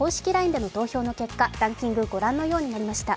ＬＩＮＥでの投票の結果、ランキングご覧のようになりました。